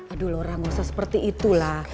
aduh nora gak usah seperti itulah